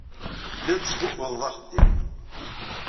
Telliḍ tesbubbuḍeḍ axeddim.